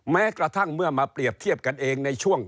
แม้กระทั่งเมื่อมาเปรียบเทียบกันเองในช่วง